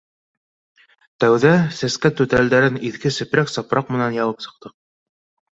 Тәүҙә сәскә түтәлдәрен иҫке сепрәк-сапраҡ менән ябып сыҡтыҡ.